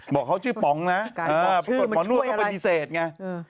บอกเขาชื่อป๋องนะหมอนวดเข้าไปดิเศษไง